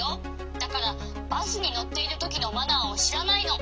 だからバスにのっているときのマナーをしらないの」。